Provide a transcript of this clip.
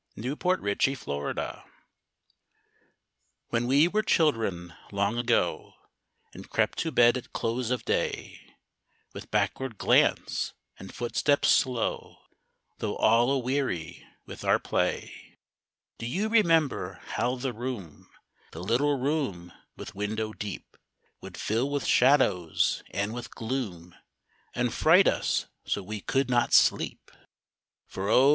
THE GHOSTS OF NIGHT. When we were children, long ago, And crept to bed at close of day, With backward glance and footstep slow, Though all aweary with our play, Do you remember how the room The little room with window deep Would fill with shadows and with gloom, And fright us so we could not sleep? For O!